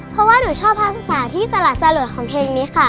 เพราะว่าหนูชอบภาคศึกษาที่สละสลดของเพลงนี้ค่ะ